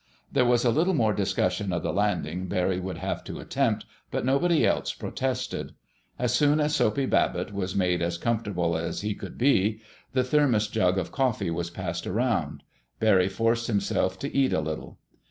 There was a little more discussion of the landing Barry would have to attempt, but nobody else protested. As soon as Soapy Babbitt was made as comfortable as he could be, the thermos jug of coffee was passed around. Barry forced himself to eat a little.